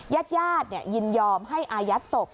ญาติยินยอมให้อายัดศพ